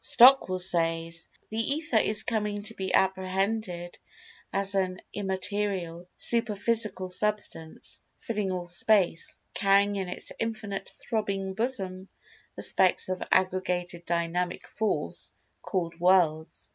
Stockwell says: "The Ether is coming to be apprehended as an immaterial, superphysical substance, filling all space, carrying in its infinite throbbing bosom the specks of aggregated dynamic force called worlds.